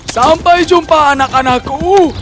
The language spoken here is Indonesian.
sampai jumpa anak anakku